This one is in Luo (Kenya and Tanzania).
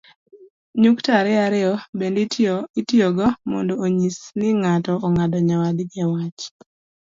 nyukta ariyo ariyo bende itiyogo mondo onyis ni ng'ato ong'ado nyawadgi iwach